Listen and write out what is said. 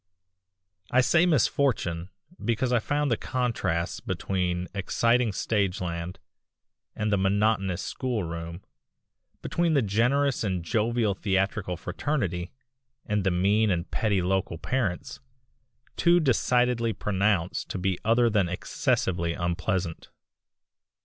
I say misfortune because I found the contrasts between exciting stageland and the monotonous schoolroom, between the generous and jovial theatrical fraternity and the mean and petty local parents, too decidedly pronounced to be other than excessively unpleasant.